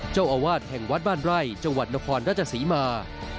เจ้าอาวาสแห่งวัดบ้านไร่จังหวัดนครราชศรีมา